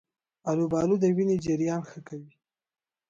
آلوبالو د وینې جریان ښه کوي.